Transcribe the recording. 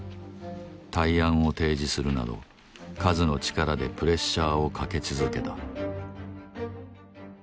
対案を提示するなど数の力でプレッシャーをかけ続けた